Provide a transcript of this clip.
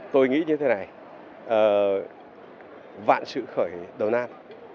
tôi nghĩ như thế này vạn sự khởi đầu nam